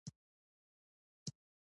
زه له خپلو دوستانو سره خوشحال یم.